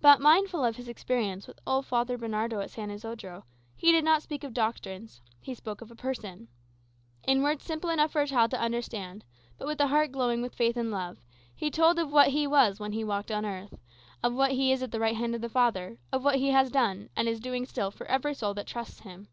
But, mindful of his experience with old Father Bernardo at San Isodro, he did not speak of doctrines, he spoke of a Person. In words simple enough for a child to understand, but with a heart glowing with faith and love, he told of what He was when he walked on earth, of what He is at the right hand of the Father, of what He has done and is doing still for every soul that trusts him.